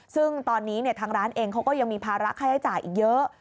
ซึ่งตอนนี้ทางร้านเองเขาก็ยังมีภาระค่าใช้จ่ายอีกเยอะ